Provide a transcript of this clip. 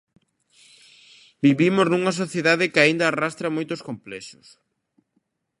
Vivimos nunha sociedade que aínda arrastra moitos complexos.